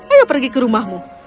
ayo pergi ke rumahmu